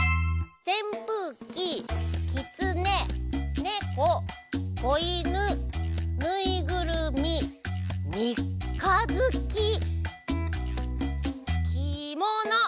「せんぷうき」「きつね」「ねこ」「こいぬ」「ぬいぐるみ」「みかづき」「きもの」！